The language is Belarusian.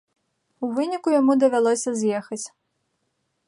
У выніку яму давялося з'ехаць.